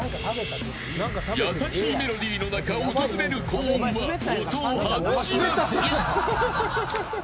やさしいメロディーの中訪れる高音は音を外しやすい。